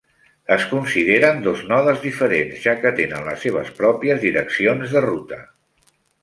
Es consideren dos nodes diferents ja que tenen les seves pròpies direccions de ruta.